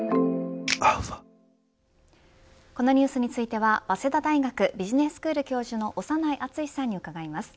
このニュースについては早稲田大学ビジネススクール教授の長内厚さんに伺います。